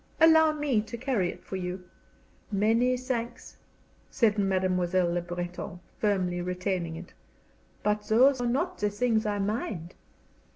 "Allow me to carry it for you." "Many thanks," said Mademoiselle Le Breton, firmly retaining it, "but those are not the things I mind."